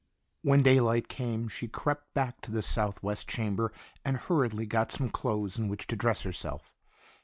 When daylight came she crept back to the southwest chamber and hurriedly got some clothes in which to dress herself.